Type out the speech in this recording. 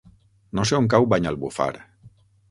No sé on cau Banyalbufar.